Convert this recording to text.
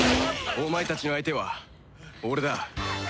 お前たちの相手は俺だ！